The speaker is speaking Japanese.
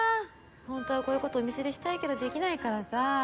ほんとはこういうことお店でしたいけど出来ないからさ。